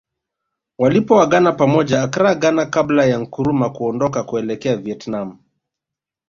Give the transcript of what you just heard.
Walipoagana pamoja Accra Ghana kabla ya Nkrumah kuondoka kuelekea Vietnam